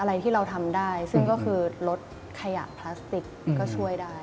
อะไรที่เราทำได้ซึ่งก็คือลดขยะพลาสติกก็ช่วยได้